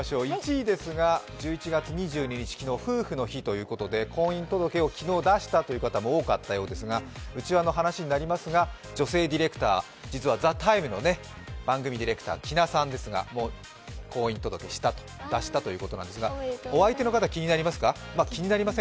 １位ですが１１月２２日、昨日、夫婦の日ということで婚姻届を昨日出したという方も多かったようですが、内輪の話になりますが、女性ディレクター、「ＴＨＥＴＩＭＥ，」のディレクター、キナさんですが、婚姻届を出したということなんですが、お相手の方、気になりませんか？